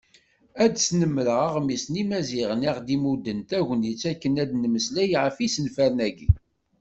Ad snemreɣ Aɣmis n Yimaziɣen i aɣ-d-imudden tagnit akken ad d-nemmeslay ɣef yisenfaren-agi.